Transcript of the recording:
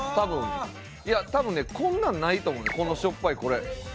多分ねこんなんないと思うねんこのしょっぱいこれ。